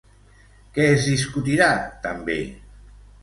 Què es discutirà també?